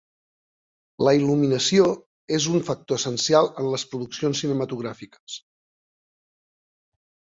La il·luminació és un factor essencial en les produccions cinematogràfiques.